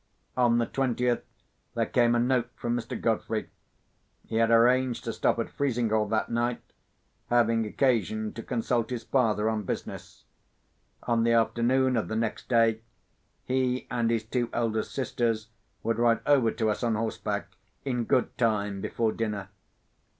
On the twentieth, there came a note from Mr. Godfrey. He had arranged to stop at Frizinghall that night, having occasion to consult his father on business. On the afternoon of the next day, he and his two eldest sisters would ride over to us on horseback, in good time before dinner.